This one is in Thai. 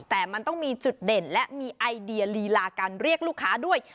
แต่มันต้องมีจุดเด่นและมีไอเดียลีลาการเรียกลูกค้าด้วย